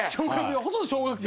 ほとんど小学生。